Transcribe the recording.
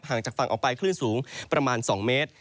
จากฝั่งออกไปคลื่นสูงประมาณ๒เมตร